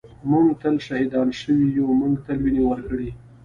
ًٍمونږ تل شهیدان شوي یُو مونږ تل وینې ورکــــړي